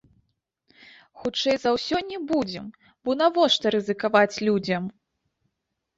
Хутчэй за ўсё, не будзем, бо навошта рызыкаваць людзям.